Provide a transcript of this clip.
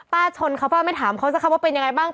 ชนเขาป้าไม่ถามเขาสักคำว่าเป็นยังไงบ้าง